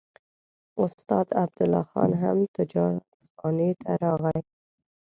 استاد عبدالله خان هم تجارتخانې ته راغی.